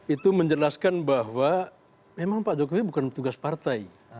itu menjelaskan bahwa memang pak jokowi bukan petugas partai